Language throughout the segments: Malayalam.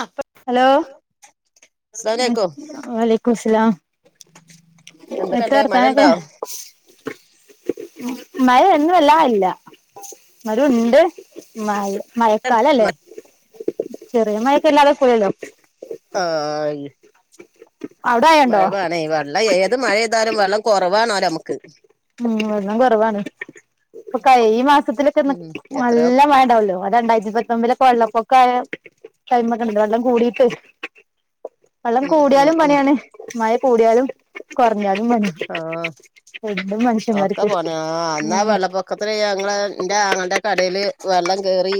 ആഹ് ഹലോ അസ്സലാമലൈക്കും വാലൈകുമുസ്സലാം എന്തൊക്കെ എന്തൊക്കെണ്ട് മഴ വർത്താനൊക്കെ ഉണ്ടോ മയ ഇന്ന് വല്ലാതെല്ലാ ഇന്നാലുംണ്ട് മയ മയക്കാലല്ലേ ചെറിയ മയക്കല്ലാത്ക്കൂലല്ലോ ആയി അവിടെ മഴയുണ്ടോ മഴ വേണേയ് വെള്ളം ഏത് മഴ താലും വെള്ളം കുറവാണോലോമ്മക്ക് ഉം വെള്ളം കൊറവാണ് ഇപ്പ കയ് ഈ മാസ ത്തിലക്കെന്ന് ഉം എത്രയോ നല്ല മയണ്ടാവല്ലോ ആ രണ്ടായിര റമ്പിലൊക്കെ വെള്ളപ്പൊക്കായ ടൈമൊക്കെണ്ടലോ വെള്ളം കൂടീട്ട് വെള്ളം ഉം ഉം കൂടിയാലും ഉം പണിയാണ് മയ കൂടിയാലും കൊറഞ്ഞാലും പണി ആഹ് രണ്ടും ഒക്കെ മനുഷ്യന്മാർക്ക് പണി ആ അന്നാ ഉം വള്ളപൊ ക്കത്തില് ഞങ്ങള് ന്റെ ആങ്ങൾടെ കടേല് വെള്ളം കേറി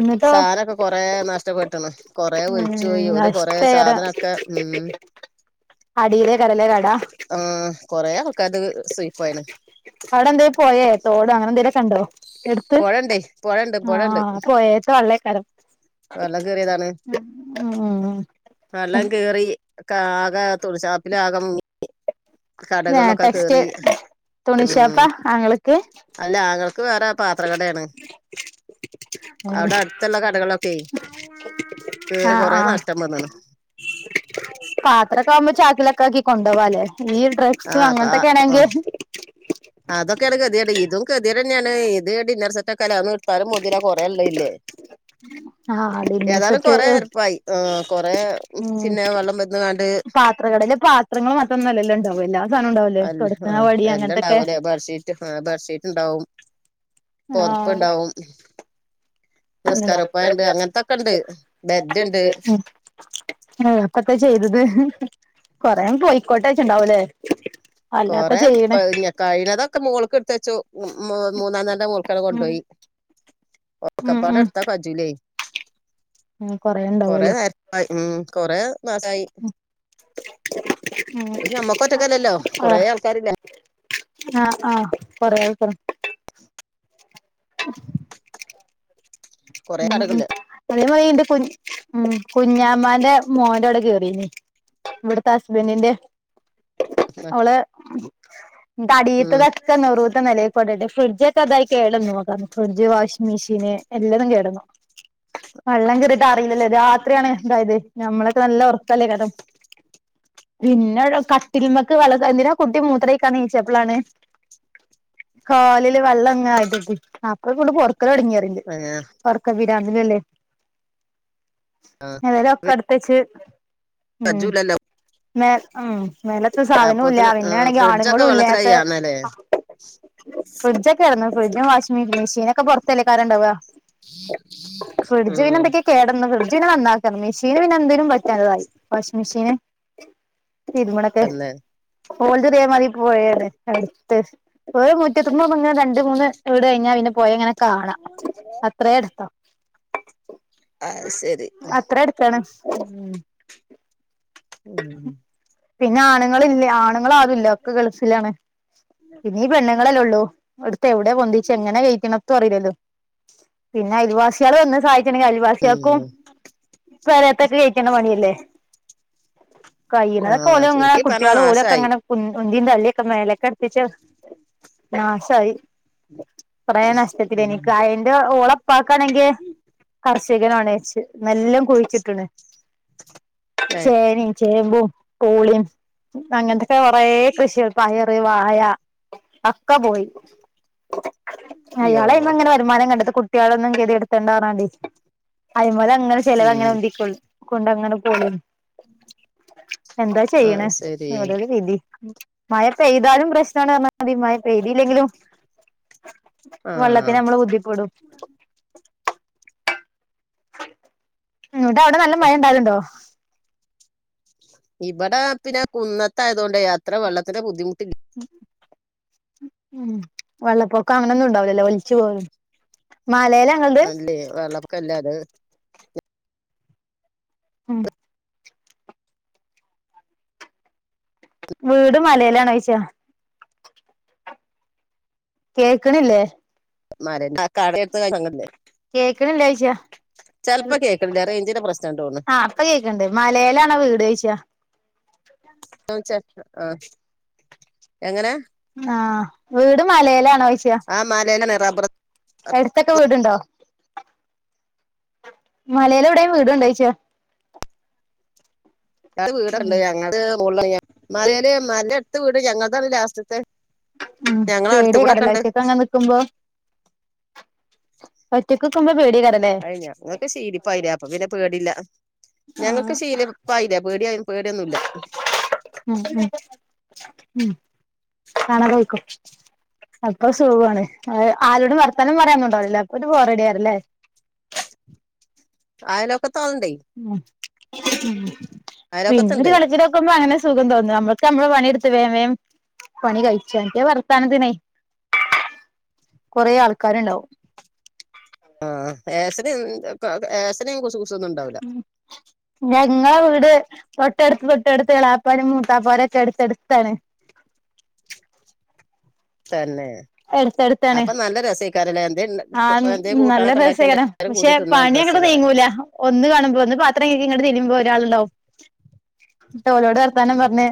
എന്നിട്ടോ സാനൊക്കെ കൊറേ നഷ്ടപ്പെട്ടണ്ണ് കൊറേ ഉം ഒലിച്ചു പോയി ഓല് കൊറേ നഷ്ടകരം സാധനൊക്കേ ഉം അടിയിലേക്കരല്ലേ കട ഉം കൊറേ ആൾക്കാരത് സുയിപ്പായിന് അവടെന്തേലും പൊയേ തോട് അങ്ങനെന്തേലൊക്കെണ്ടോ എടുത്ത് പൊഴണ്ടേ പൊഴണ്ട് പൊഴണ്ട് ആഹ് പൊയേത്തെ വള്ളേക്കാരം വെള്ളം കേറിയതാണ് ഉം ആക തുണി ഷാപ്പിലാകെ മുങ്ങി ഏ കടകളൊക്കെ ടെക്സ്റ്റൈൽ കേറി ഉം തുണിഷാപ്പാ ആങ്ങളക്ക് അല്ല ആങ്ങളക്ക് വേറെ പാത്രകടയാണ് അവടെ ആഹ് അട്ത്ത്ള്ള കടകളൊക്കെയി കേറി കൊറേ നഷ്ടം വന്നണ് പാത്രക്കാവുമ്പോ ചാക്കിലൊക്കാക്കി കൊണ്ടോവാല്ലേ ഈ ഡ്രസ്സും അങ്ങനത്തെൊക്കെയ ആണെങ്കി അതൊക്കൊണ് ഗതിയേട് ഇതും ഗതിയേടന്നെയാണ് ഇത് ടിന്നർസെറ്റെക്കെല താരം മുതിര കൊറള്ളെയില്ലേ ആഹ് ഡിന്നർ ഏതായാലും സെറ്റ് കൊറേരപ്പായി ആ കൊറെ പിന്നെ വെള്ളം വെര്ന്നകാണ്ട് ത്ര കടയിലെ പാത്രങ്ങള് മറ്റൊന്നല്ലല്ലൊ ണ്ടാവുവല്ലോ അല്ല ആ എല്ലാണ്ടാവുവല്ലേ ബെർഷീറ്റ് ആ ബെർഷീറ്റ്ണ്ടാവും ആഹ് പൊതപ്പ്ണ്ടാവും നിസ്കാരപ്പായ്ണ്ട് അങ്ങനത്തക്കണ്ട് ബെഡ്ണ്ട് ആപ്പത്തെ ചെയ്തത് കൊറേ പോയിക്കോട്ടെ വച്ചണ്ടാവല്ലേ കൊറെേ കഴീണതൊക്കെ മോള്ക്ക് എടുത്തെച്ചു മൂന്നാം നെലേടെ മോൾക്കാട് ഉം കൊണ്ടോയി ഒക്കെ പാടെട്ത്ത കജുലേ ഉ കൊറേണ്ടാവുവല്ലോ അ ഇം കൊറെ മാസായി ഉം പക്ഷ ഞമ്മക്കൊറ്റക്കല്ലല്ലോ ആഹ് ആഹ് ആഹ് കൊറേയാക്ക കൊറേ ഉം ഉം കടകളില് വന്നവയി ഇന്റെ കു ഉം കുഞ്ഞമാന്റെ മോന്റെോടെ കേറിനീ ഇവിടുത്തെസ്ബന്റിന്റെ ഓളെ ഉം തടീത്തതക്കെ നെറൂത്ത നെലേക്കൊണ്ടിട്ട് ഫ്രിഡ്ജൊക്കെതായി കേടന്നു അതാണ്ഫ്രിഡ്ജ് വാഷിംഗ് മെഷീന് എല്ലതും കേടന്നു വെള്ളം കേറിട്ട് അറീല്ലല്ലേ രാത്രിയാണ് ഇതായത് ഞമ്മളക്കെ നല്ല ഒറക്കല്ലേ കഥം പിന്നെടെ കട്ടിൽമക്ക് വെളകെന്തിനാ കുട്ടി മൂത്ര കണീച്ചപ്പളാണ് കാലില് വെള്ളംങ്ങ ആയ്ത് ആപ്പൊ കൊണ്ട് പൊറക്കലൊടങ്ങിയറിണ്ട് ആ പൊറക്ക വിരാന്തിലല്ലേ ആഹ് മേലൊക്കെടുത്തെച്ച് ഉം സജ്ജുല്ലല്ലോ മേ ഉം മേ സാധനോല്ല അപ്പോത്തിന് ആ പിന്നാണെങ്കിൽ ഫ്രിഡ്ജൊക്കെ ആണുങ്ങളുല്ലാത്ത വെള്ളത്തിലായി ആണല്ലേ ഫ്രിഡ്ജൊക്കെ ആയിരുന്നു ഫ്രിഡ്ജും വാഷി മെഷീനൊക്കെ പൊറത്തല്ലേയ്ക്കാരം ഇണ്ടാവ ഫ്രിഡ്ജ് പിന്നെ ഉം എന്തൊക്കെയാ കേടന്ന് ഫ്രിഡ്ജ് പിന്നെ നന്നാ ക്കർണം മിഷീന് പിന്നെ എന്തിനും പറ്റാതായി വാഷിംഗ് മിഷീന് തിര്മ്പ്ണൊക്കെ തന്നെ ഓൽത് ഇതേമാതിരി പോയത് അടുത്ത് ഒരു മുറ്റത്തുമ്പ ഇങ്ങെ രണ്ട് മൂന്ന് വീട് കഴിഞ്ഞാ പിന്നെ പൊഴ ഇങ്ങനെ കാണാം അത്രേ എട്ത്താ അയ്ശരി അത്ര എട്ത്താണ് ഉം ഉം പിന്നെ ആണ്ങ്ങളി ആണ്ങ്ങൾ ആരുല്ല ഒക്കെ ഗൾഫിലാണ് പിന്നീ പെണ്ണുങ്ങളല്ലേ ഒള്ളൂ ഇട്ത്ത് എവിടെയാ പൊന്തിച്ച എങ്ങനെ കയിക്കണം ത്തുഅറീല്ലല്ലോ പിന്നെ അയൽവാസികള് വന്ന് സഹായിച്ച്ണ്ടെങ്കിൽ അയൽവാസിൾക്കും ഉം പെരേത്തൊക്കെ കഴിക്ക്ണെ പണിയല്ലേ ആ കഴിയ്ണതൊക്കെ ഓല് ഇങ്ങെ ചുരുക്കി പറഞ്ഞാ കുട്ട്യള് ഓലൊക്കെ നാശായി അങ്ങനെ ഉം ഒന്തും തള്ളിയൊക്കെ മേലെക്കട്പ്പിച്ചു നാശായി കൊറേ നഷ്ടത്തിലേനി ഉം ഇൻക്ക് അയിന്റെ ഓളെ ഇപ്പാക്കാണെങ്കിൽ കർഷകനാണ്ച്ച് എല്ലും കുഴിച്ചിട്ട്ണ് ഏ ചേനയും ചേമ്പും പൂളിയും അങ്ങൻത്തൊക്കെ കൊറേ കൃഷികൾ പയ ർ വാഴ അഒക്കെ പോയി അയ്യോ അയാള് ഞങ്ങള് ഇങ്ങനെ വെ തുമാരം കണ്ടത് കുട്ട്യളൊന്നും കെതി എട്ത്തെണ്ടാ ർഞ്ഞാണ്ടെ അയ്മല് അങ്ങനെ ഉം ചെലവങ്ങനെ ഉന്തി കൊ കൊണ്ടങ്ങനെ പോയിനി എന്താ ചെയ്യ്ണ് അത് ശരി ഒരോരൊ വിധി മഴ പെയ്താലും പ്രശ്നാണ് പറഞ്ഞ അത് ഈ മഴ പെയ്തില്ലെങ്കിലും ആ വെള്ളത്തിന് നമ്മള് ബുദ്ധിപ്പെടും ന്ന്ട്ട് അവിടെ നല്ല മഴ ഇണ്ടാവല്ണ്ടോ ഇബടെ പിന്നെ കുന്നത്തായതോണ്ടെ അത്രെ വെള്ളത്തിന് ബുദ്ധിമുട്ടില്ല ഉം വെള്ളപ്പൊക്കം അങ്ങനൊന്നും ഇണ്ടാവുലല്ലോ ഒലിച്ചു പോവല് അല്ലേ വെള്ളപൊക്കല്ല അത് ഉം വീട് മലേലാണോയിച്ച കേക്ക്ണില്ലേ? മലൻ [unintelligible] അങ്ങല്ലേ കേക്ക്ണ്ല്ലേ ഓയ്ചാ കേൾക്കണില്ല റേഞ്ചിന്റെ പ്രശ്നം തോന്നുന്നു ആഹ് ഇപ്പ കേക്ക്ണ്ട് മലേലാണോ വീട് ചോയിച്ച ചോയ്ച്ച ആഹ് എങ്ങനെ ആഹ് വീട് മലേലാണോ ചോയിച്ച മലേലെന്നെ റബ്ബറ് എട്ത്തൊക്കെ വീട്ണ്ടോ മലയിൽ എവിടേം വീട്ണ്ടോയ്ച്ച രണ്ട് ഉം വീടാള്ളെ ഞങ്ങൾത് മോൾളാണ് മലേല് മലെന്റെ അട്ത് വീട്ല്യാ ഞങ്ങൾതാണ് ലാസ്റ്റ്ത്തെ ആഹ് പേടി എയ്ക്കാരംലേ ഒറ്റക്ക് അങ്ങനെ നി ക്ക്മ്പോ ഒറ്റക്ക്ക്ക്മ്പോ പേടി എയ്ക്കാരല്ലേ? ക്കെ ശീലിപ്പായിലെ അപ്പൊ പിന്നെ പേടില്ല. ആ ഞങ്ങക്ക് ശീലി ഇപ്പായിലെ പേടിയ പേടി ഒന്നുല്ല. ഉം ഉം ഉം കാണാതെ പൊയ്ക്കോ. അപ്പൊ സുഗുആണ് ആരോടും വർത്താനം പറയാന്നോണ്ടാവുലല്ലോ അപ്പൊ ഒരു ബോറഡിയാണ്ലെ? അയലോക്കത്താൾണ്ടേ. ഉം ഉം പിന്നൊരു അയലോക്കത്തുണ്ട് കലപില ക്കുമ്പ അങ്ങനെ സുഖം തോന്നും അമ്മള്ക്ക് അമ്മളെ പണി എട്ത്ത് വേം വേം പണി കഴിച്ച മറ്റേ വർത്താനത്തിനേ കൊറേ ആൾക്കാര്ണ്ടാവും. ആഹ് ഏസണിം ക്കെ ഏസണിം കുസു കു ഉം ഞങ്ങളെ വീട് തൊട്ടെട്ത്, തൊട്ടെട്ത്ത്, എളാപ്പാരും മൂത്താപ്പാരക്കെ, എട്ത്തെ ട്ത്ത് ആണ്. തന്നെ, എടുത്തടുത്താണ് അപ്പൊ നല്ല രസൈക്കാരല്ലെ? എന്തേ ണ്ട ആഹ്, ന നല്ല രസേകാരം. പശെ, തിന്നാൻ പണി അങ്ങട് രസേക്കാരം നീങ്ങൂല. ഒന്ന് കാണുമ്പോ, ഒന്ന് പാത്രം കയ്‌കി ഇങ്ങട്ട് തിരിമ്പോ, ഒരാള്ണ്ടാവും. ത്ത, ഓലോട് വർത്താനം പർഞ്ഞ്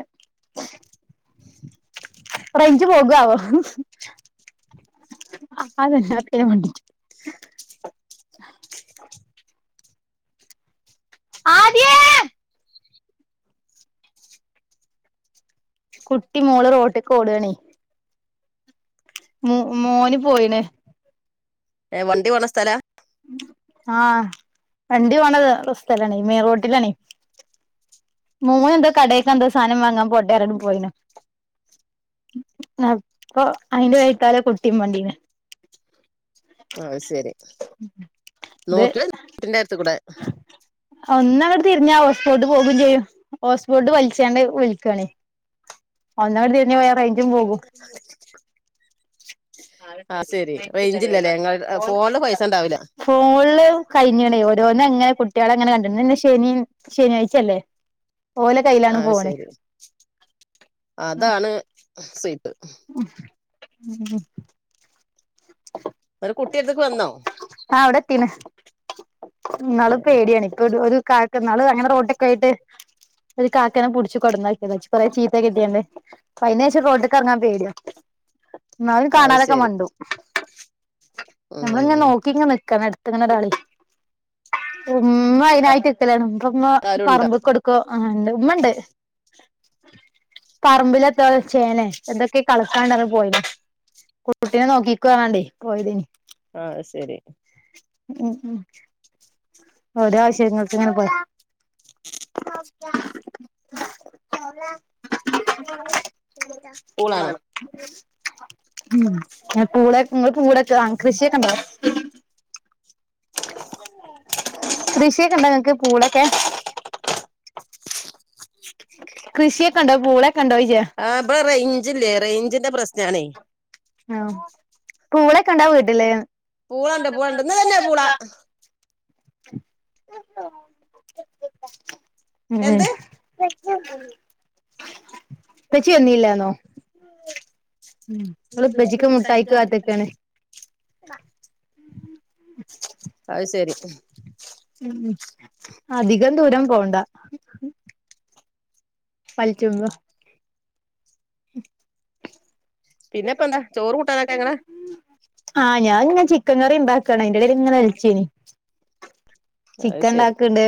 റൈഞ്ച് പോകാവോ.? അത്, ഹാപ്പി ആവാ മേണ്ടിറ്റ്. ആദ്യെ. കുട്ടി, മോള്, റോട്ട്ക്ക് ഓഡാണെയ്. മു, മോന്, പോയിണ്. ഏ, വണ്ടി പോണ സ്ഥല? ആഹ്, വണ്ടി പോണ സ്ഥലാണ്. മെയ് റോട്ടിലാ ണയ്. മോനെ ന്തോ, കടേക്കന്ധോ സാദനം വാങ്ങാ പോട്ടെന്ന് പറഞ്ഞു. പോയിണ്. അപ്പൊ, അയിന്റെ വൈത്താല കുട്ടിം മണ്ടീന്. ആഹ്, അഹ്സെരി, ഇത് നോക്കി [unintelligible] കുട്ടി ന്റെ ടുത്ത് കൂടെ. ഒന്നങ്ങട്ട് തിരിഞ്ഞ, ഹോസ്പോട്ട് പോകു ചെയ്യും. Hotspot വലിച്ചാണ്ട് will ക്കാണയ്. ഒന്നങ്ങട് തിരിഞ്ഞ, വേം റൈഞ്ചും പോകും. അത് ആഹ് ശെരി റേഞ്ചില്ലല്ലേ ഇങ്ങൾ ഫോണില് പൈസ ഉണ്ടാവില്ല [unintelligible] ഫോണ്ള് കഴിഞ് ണ്, ഓരോന്ന ങ്ങനെ കുട്ട്യേള ങ്ങനെ കണ്ട്. ഇന് ന്ന ശെനിം, ശനിയാച ല്ലേ.? അഹ്, ശെരി അതാണ്. സുയ്പ്. [unintelligible] ന്ട്, കുട്ടി എട്ത്ക്ക് വന്നോ? ആഹ്, അവിടെ എത്തിണ്. ഇന്നാളും പേ ടിയാണ്. ഒരു, ഒരു, കാക്ക. ന്നാള് അങ്ങനെ റോട്ക്കെയിട്ട്, ഒരു കാക്കനെ പുഡ്ച് കൊടന്നാക്കി. ഇളച്ചി കുറേ ചീത്തകിട്ടി അന്ന്. പ്പ, അയിന് ശേഷം റോട്ക്ക് എർങ്ങാൻ പേടിയാ. ന്നാലും, അത് കാണാതൊക്ക ശെരി മണ്ടും. ഞമ്മള്, ഇങ്ങ ഉം നോക്കിങ്ങ നിക്കണം അടുത്ത്ങ്ങനെ ഒരാള്. ചുമ്മാ, അയി നായിട്ട്. ലാണ്. പ്പ, മ്മ ആരുണ്ടോ പറമ്ബ്ക്ക് കൊടുക്കും-അങ്ങനെ, ഉമ്മ ണ്ട്. പറമ്പിലെന്തോ, ചേന, എന്തൊക്കെ കളക്കാന്ണ്ട്, ന്ന് പറഞ്ഞു. പോയിണ്, കുട്ടീനെ നോക്കി. ആണ്ട്, പോയതയ്നി. ആഹ്, അഹ് സരി. ഉം, ഉം, ഓരോ, ആവശ്യങ്ങൾക്ക് ങ്ങനെ- പോയി? [unintelligible] പൂള്, ആണോ? ഉം, എ, പൂളെ, ങ്ങൾ പൂളെ [unintelligible] കൃഷിയൊക്കെ ണ്ടോ? കൃഷിയൊക്ക ണ്ടോ, ങ്ങക്ക്. പൂളക്കെ? കൃഷിയൊക്കെ ഉണ്ടോ പൂളൊക്കെ ഉണ്ടോ ചോദിച്ചേ ആഹ്, ഇപടെ റേഞ്ചില്ലേ- റേയ്ഞ്ചിന്റെ പ്രസ്നണേ? ആഹ്, പൂളക്കെ ണ്ടോ വീട്ടില്? പൂളണ്ട് പൂളണ്ട് ഇന്ന് തന്നെ പൂള ഉം, എന്ത് [unintelligible] വന്നീല്ലാന്നോ ഉം ഓള്, ഓള് പ്പച്ചിക്ക്, ഉപ്പച്ചിക്ക് മുട്ടായിക്ക് കാത്ത് കാത്ത്ക്കാണ് ക്കാണ്. അഹ്, ശരി. ഉം, അധികം ദൂരം പോണ്ട. പൾച്ച്മ്പം- പിന്നെപ്പ ന്താ, ചോറ് കുട്ടാനക്കെങ്ങണ ആഹ്, ഞാൻ ഇങ്ങനെ ചിക്കൻ കറി ഉണ്ടാക്കണ്. അതിന്റെ ഇടയിലിങ്ങനെ വിളിചയിനി. അത് ശെരി ചിക്കൻണ്ടാക്കണ്ട്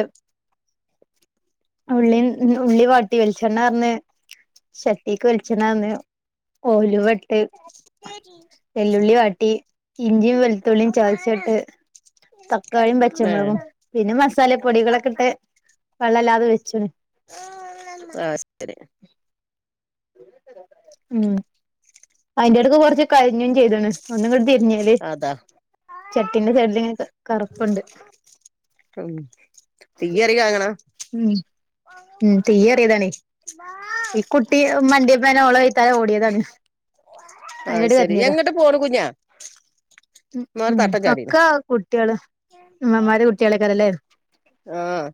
ഉള്ളി ഉള്ളി വാട്ടി വെളിച്ചെണ്ണ ആർന്ന് ചട്ടിക്ക് വെളിച്ചണ്ണാർന്ന് ഉലുവ ഇട്ട് വല്ലുള്ളി വാട്ടി ഇഞ്ചിയും വെളുത്തുള്ളിയും ചതിച്ചട്ട് തക്കാളിയും പച്ചമുളകും ഏഹ് പിന്നെ മസാലപ്പൊടികളൊക്കെ ഇട്ട് വെള്ളംല്ലാതെ വെച്ച് ആഹ് [unintelligible] ഉം അയിന്റെ എടക്ക് കൊറച്ച് കരിഞ്ഞും ചെയ്താണ് ഒന്നും ഇങ്ങോട്ട് തിരിഞ്ഞല് അതാ ചട്ടീന്റെ സയിഡിൽ കറുപ്പുണ്ട് [unintelligible] അങ്ങനെ ഉം, ഉം, തീ ഏറിതാണയ്. ഈ കുട്ടി മണ്ടിയപ്പന്നെ ഓളെ ബൈത്താലെ ഓടിയതാണ് അയിന്റെടേല് അയ്ശരി കരിഞ്ഞതാ കുട്ടികള് ഉമ്മമാര് കുട്ടികളൊക്കെറല്ലേ ആഹ്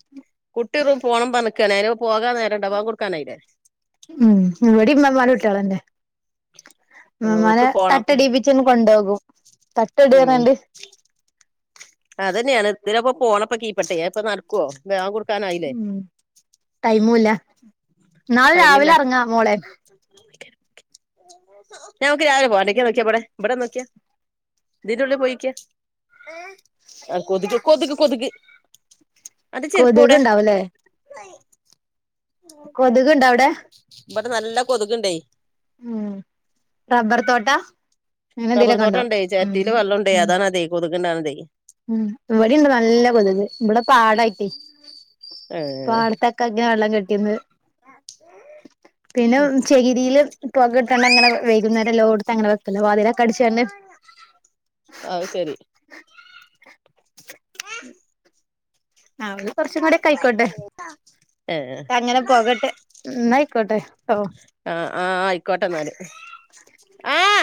കുട്ടികൾ പോണം പറഞ്ഞ് നിക്കാണ് അതിന് പോകാൻ നേരണ്ടാ ബാങ്ക് കൊടുക്കാനായില്ലേ ഉം ഇവിടെ ഇമ്മരും കുട്ടികളന്നെ നമ്മള് ഓൾക്ക് പോണം തട്ടടിപ്പിച്ചങ്‌ കൊണ്ടുപോകും തട്ടം ഇടാനൊണ്ട് അത് തന്നെയാണ് ഇതിലപ്പോ പോണപ്പോ ഈ പക്ഷെ ഇപ്പ നടക്കുവോ ഞാൻ കൊ ഉം ടൈമുംല്ല നാളെ രാവിലെ ഇറങ്ങാം മോളെ [unintelligible] നമക്ക് രാവിലെ പോകാം ഇങ്ങോട്ട് നോക്കിയ മോളെ ഇവിടെ നോക്കിയാ ഇതിന്റെഉള്ളിൽ പോയിരിക്ക ആഹ് ആഹ് കൊതുക് കൊതുക് കൊതുക് അന്റെ കൊതുക് ചെരുപ്പടെ ഇണ്ടാവുംല്ലേ കൊതുക് ഇണ്ടോ അവിടെ ഇവിടെ നല്ല കൊതുക്ണ്ടേ ഉം റബർ തോട്ടാ റബർ തോട്ടണ്ടേ ചെരട്ടിൽ വെള്ള ഉണ്ടേ അതാണേ കൊതുക് ഉണ്ടാണതേ ഉം ഇവിടെണ്ട് നല്ല കൊതുക് ഇവിടെ പാടായിട്ട് ഏഹ് പാടത്ത കഴുകുന്ന വെള്ളം കെട്ടിയിന്ന് പിന്നെ ചകിരിയിൽ പുക ഇട്ടാണ്ട് അങ്ങനെ വൈകുന്നേരം ല്ലോടുത്ത് അങ്ങനെ വെക്കൽ വാതിലൊക്ക അടച്ചുകാണ്ട്. ആഹ് ശരി അവള് കുറച്ചും കൂടി കഴിക്കോട്ടെ [inaudible] അങ്ങനെ പോകട്ടെ ന്നാ ആയിക്കോട്ടെ ഓഹ് ആഹ് ആഹ് ആയിക്കോട്ടെ എന്നാല് ആഹ്